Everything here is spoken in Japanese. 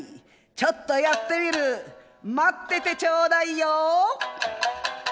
ちょっとやってみる待っててちょうだいよ」。